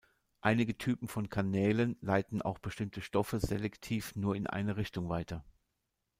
Einige Typen von Kanälen leiten auch bestimmte Stoffe selektiv nur in eine Richtung weiter.